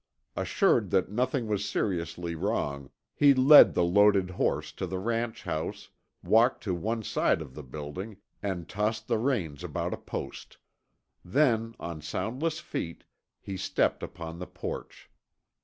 Assured that nothing was seriously wrong, he led the loaded horse to the ranch house, walked to one side of the building, and tossed the reins about a post. Then, on soundless feet, he stepped upon the porch.